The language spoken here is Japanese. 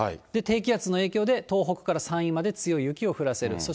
低気圧の影響で東北から山陰まで強い雪を降らせる。